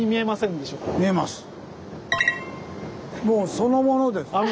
もうそのものです。